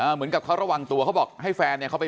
เหมือนกับเขาระวังตัวเขาบอกให้แฟน